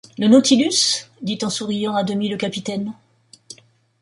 Le Nautilus? dit en souriant à demi le capitaine.